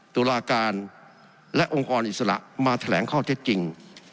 ตุลาการและองค์กรอิสระมาแถลงข้อเท็จจริง